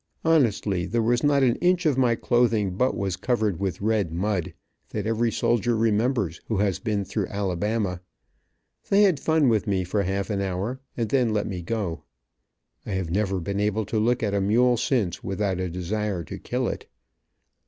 Honestly, there was not an inch of my clothing but was covered with, red mud, that every soldier remembers who has been through Alabama. They had fun with me for half an hour and then let me go. I have never been able to look at a mule since, without a desire to kill it.